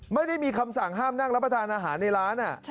ไม่ได้มีคำสั่งห้ามนั่งรับประทานอาหารในร้าน